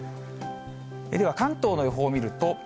では関東の予報を見ると。